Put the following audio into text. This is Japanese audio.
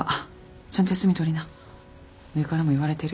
上からも言われてる。